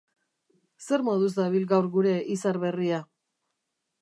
Zer moduz dabil gaur gure izar berria?